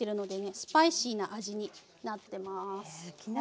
スパイシーな味になってます。